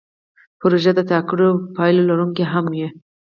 پروژه د ټاکلو پایلو لرونکې هم وي.